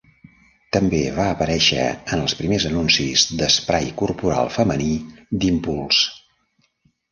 També va aparèixer en els primers anuncis d'esprai corporal femení d'Impulse.